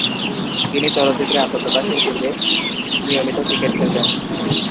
তিনি চলচ্চিত্রে আত্মপ্রকাশ এর পূর্বে নিয়মিত ক্রিকেট খেলতেন।